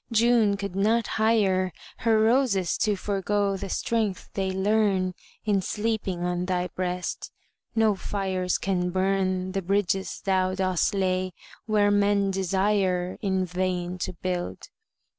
June could not hire Her roses to forego the strength they learn In sleeping on thy breast. No fires can burn The bridges thou dost lay where men desire In vain to build.